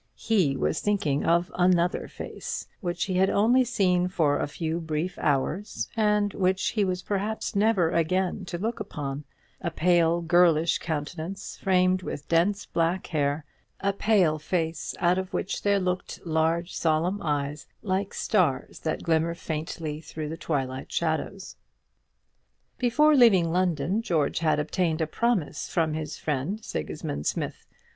He was thinking of another face, which he had only seen for a few brief hours, and which he was perhaps never again to look upon; a pale girlish countenance, framed with dense black hair; a pale face, out of which there looked large solemn eyes, like stars that glimmer faintly through the twilight shadows. Before leaving London, George had obtained a promise from his friend Sigismund Smith.